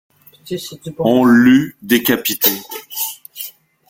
On l’eût décapité.